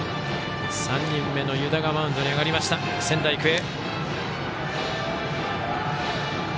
３人目の湯田がマウンドに上がりました仙台育英。